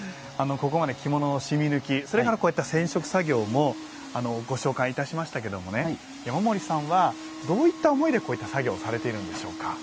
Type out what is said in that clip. ここまで着物の染み抜きそれからこういった染色作業もご紹介いたしましたけどもね山森さんはどういった思いでこういった作業をされているんでしょうか。